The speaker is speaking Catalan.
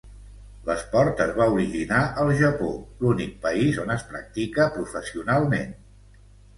L'esport es va originar al Japó, l'únic país on es practica professionalment.